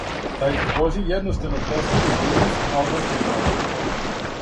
Тај позив једноставно представља тријумф албанског народа.